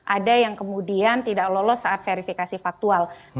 ada yang kemudian tidak lolos saat verifikasi faktual